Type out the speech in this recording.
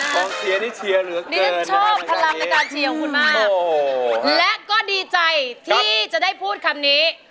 และก็ดีใจที่จะได้พูดคำนี้